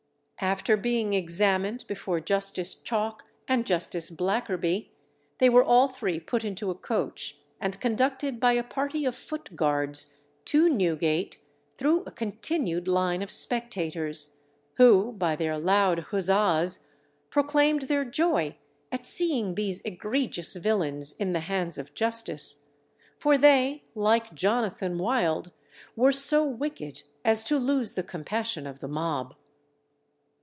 After being examined before Justice Chalk and Justice Blackerby they were all three put into a coach, and conducted by a party of Foot guards to Newgate through a continued line of spectators, who by their loud huzzas proclaimed their joy at seeing these egregious villains in the hands of justice; for they, like Jonathan Wild, were so wicked as to lose the compassion of the mob.